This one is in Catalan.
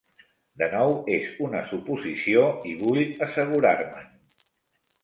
De nou, és una suposició, i vull assegurar-me'n.